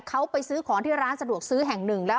เขาไปซื้อของที่ร้านสะดวกซื้อแห่งหนึ่งแล้ว